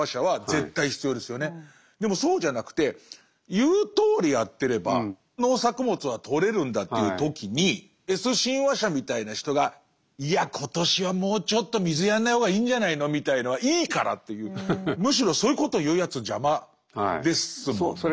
でもそうじゃなくて言うとおりやってれば農作物は取れるんだという時にＳ親和者みたいな人がいや今年はもうちょっと水やんない方がいいんじゃないのみたいのはいいからっていうむしろそういうことを言うやつ邪魔ですもんね。